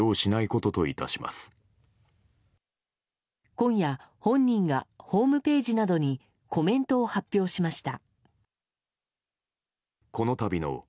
今夜、本人がホームページなどにコメントを発表しました。